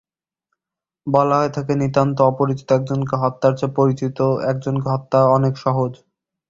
বলা হয়ে থাকে, নিতান্ত অপরিচিত একজনকে হত্যার চেয়ে পরিচিত একজনকে হত্যা অনেক সহজ।